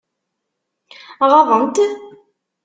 Ɣaḍen-t?